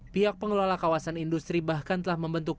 pihak pengelola kawasan industri bahkan telah membentuk